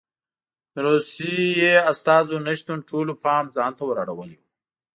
د روسیې استازو نه شتون ټولو پام ځان ته ور اړولی و